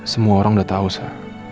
semua orang udah tahu saya